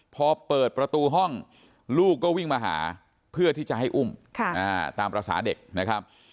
พอเปิดประตูห้องลูกก็วิ่งมาหาเพื่อที่จะให้อุ้มตามภาษาเด็กนะครับ